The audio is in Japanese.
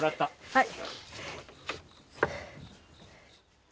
はい。